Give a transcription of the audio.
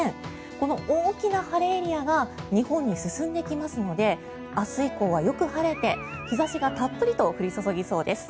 この大きな晴れエリアが日本に進んできますので明日以降はよく晴れて日差しがたっぷりと降り注ぎそうです。